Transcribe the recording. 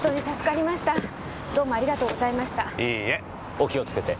お気を付けて。